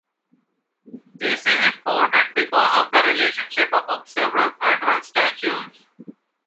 This is important because of the relationship among several federal statutes.